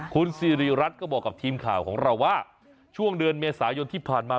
คุณสิริรัตน์ก็บอกกับทีมข่าวของเราว่าช่วงเดือนเมษายนที่ผ่านมา